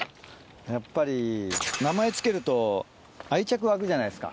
やっぱり名前付けると愛着湧くじゃないですか。